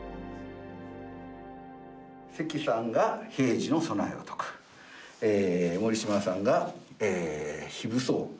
関さんが平時の備えを説く森嶋さんが非武装を説く。